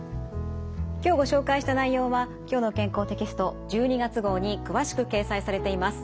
今日ご紹介した内容は「きょうの健康」テキスト１２月号に詳しく掲載されています。